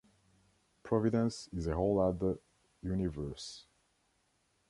Providence is a whole other universe.